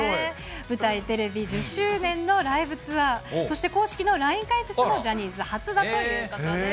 舞台、テレビ１０周年のライブツアー、そして公式のＬＩＮＥ開設もジャニーズ初だということです。